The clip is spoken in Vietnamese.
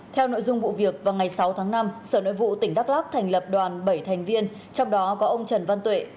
theo nội dung vụ việc vào ngày sáu tháng năm sở nội vụ tỉnh đắk lắc thành lập đoàn bảy thành viên trong đó có ông trần văn tuệ